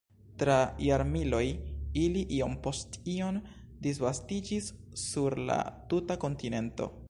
Tra jarmiloj ili iom post iom disvastiĝis sur la tuta kontinento.